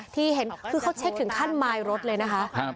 ที่เขาเช็คถึงขั้นไมล์รถเลยนะคะ